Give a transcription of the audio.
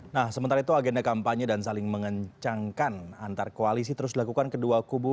nah sementara itu agenda kampanye dan saling mengencangkan antar koalisi terus dilakukan kedua kubu